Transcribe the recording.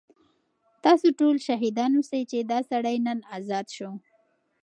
تاسو ټول شاهدان اوسئ چې دا سړی نن ازاد شو.